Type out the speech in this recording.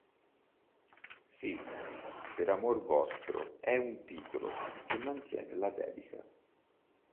Sì, Per amor vostro è un titolo che mantiene la dedica.